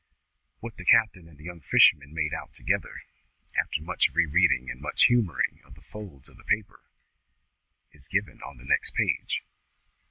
What the captain and the young fisherman made out together, after much re reading and much humouring of the folds of the paper, is given on the next page.